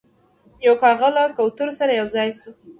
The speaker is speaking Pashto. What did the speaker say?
یو کارغه له کوترو سره یو ځای شو.